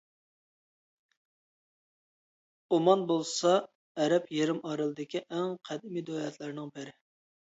ئومان بولسا ئەرەب يېرىم ئارىلىدىكى ئەڭ قەدىمى دۆلەتلەرنىڭ بىرى.